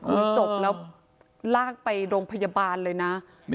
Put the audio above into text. จบแล้วลากไปโรงพยาบาลเลยนะ